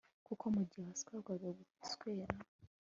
kuko mugihe wasabwaga guswera